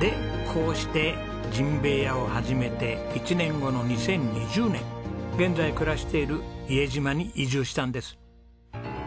でこうしてじんべいやを始めて１年後の２０２０年現在暮らしている伊江島に移住したんです。